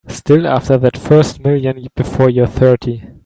Still after that first million before you're thirty.